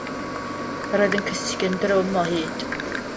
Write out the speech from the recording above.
Yr oedd yn cysgu yn drwm o hyd.